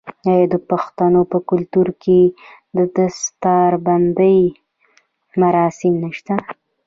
آیا د پښتنو په کلتور کې د دستار بندی مراسم نشته؟